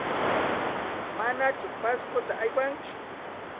¿Manaku Pascota aywanki?